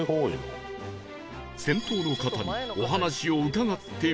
先頭の方にお話を伺ってみると